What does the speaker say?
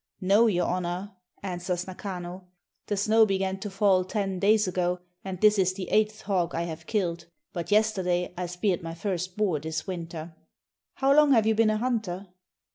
"No, your honor," answers Nakano; "the snow began to fall ten days ago, and this is the eighth hog I have killed; but yesterday I speared my first boar this winter." "How long have you been a hunter?"